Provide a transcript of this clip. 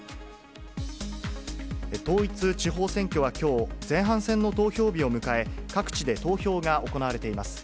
統一地方選挙はきょう、前半戦の投票日を迎え、各地で投票が行われています。